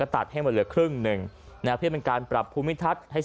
ตัดให้มาเหลือครึ่งหนึ่งนะเพื่อเป็นการปรับภูมิทัศน์ให้